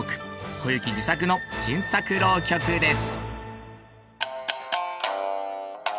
小ゆき自作の新作浪曲です。